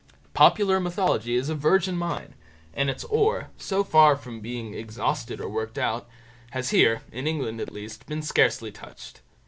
Popular mythology is a virgin mine, and its ore, so far from being exhausted or worked out, has here, in England at least, been scarcely touched.